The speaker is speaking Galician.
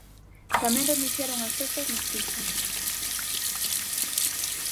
Tamén renunciaron ás festas nos pisos.